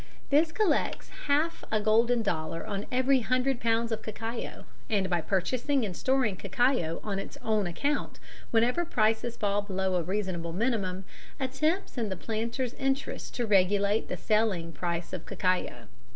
This collects half a golden dollar on every hundred pounds of cacao, and by purchasing and storing cacao on its own account whenever prices fall below a reasonable minimum, attempts in the planter's interest to regulate the selling price of cacao.